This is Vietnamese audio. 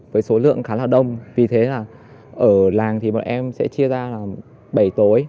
với số lượng khá là đông vì thế là ở làng thì bọn em sẽ chia ra là bảy tối